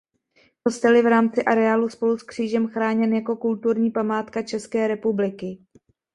Kostel je v rámci areálu spolu s křížem chráněn jako kulturní památka České republiky.